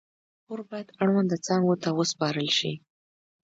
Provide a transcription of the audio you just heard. دا راپور باید اړونده څانګو ته وسپارل شي.